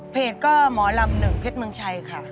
เพจก็หมอลำ๑พมค่ะ